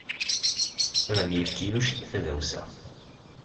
Ad am-yefk Yuc tadawsa.